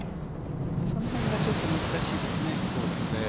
その辺がちょっと難しいですね。